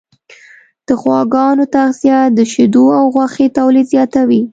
د غواګانو تغذیه د شیدو او غوښې تولید زیاتوي.